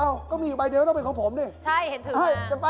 เอ้าก็มีใบเดียวต้องเป็นของผมดิใช่เห็นถึงมา